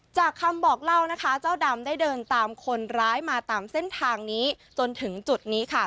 จากคำบอกเล่านะคะเจ้าดำได้เดินตามคนร้ายมาตามเส้นทางนี้จนถึงจุดนี้ค่ะ